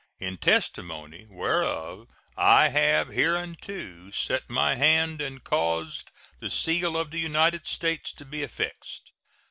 In testimony whereof I have hereunto set my hand and caused the seal of the United States to be affixed.